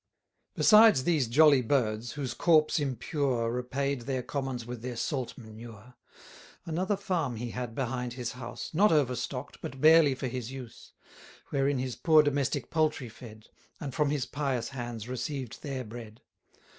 Besides these jolly birds, whose corpse impure Repaid their commons with their salt manure; Another farm he had behind his house, Not overstock'd, but barely for his use: Wherein his poor domestic poultry fed, And from his pious hands received their bread.